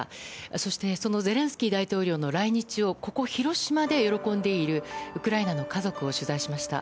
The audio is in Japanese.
そして、ゼレンスキー大統領の来日をここ広島で喜んでいるウクライナの家族を取材しました。